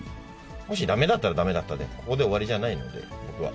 もしだめだったら、だめだったで、ここで終わりじゃないので、僕は。